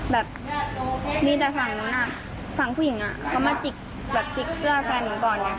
แบบมีแต่ฝั่งนั้นฝั่งผู้หญิงอะเขามาจีกเหลือแฟนนิก่อนเนี่ย